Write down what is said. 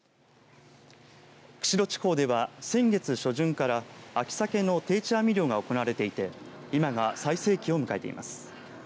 釧路地方では、先月初旬から秋さけの定置網漁が行われていて今が最盛期を迎えています。